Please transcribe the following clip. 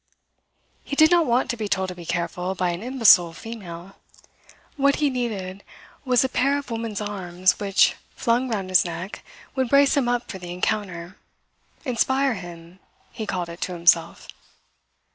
He did not want to be told to be careful by an imbecile female. What he needed was a pair of woman's arms which, flung round his neck, would brace him up for the encounter. Inspire him, he called it to himself.